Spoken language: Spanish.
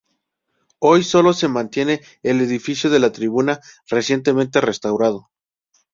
Hoy sólo se mantiene el edificio de La Tribuna, recientemente restaurado.